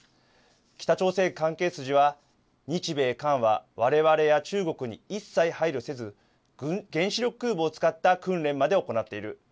北朝鮮関係筋は日米韓はわれわれや中国に一切配慮せず原子力空母を使った訓練まで行っている。